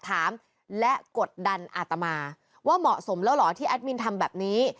ถามและกดดันอาตมาว่าเหมาะสมแล้วเหรอที่แอดมินทำแบบนี้